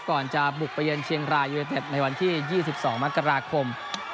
ก่อนจะบุกไปเยือนเชียงรายยูเนเต็ดในวันที่๒๒มกราคม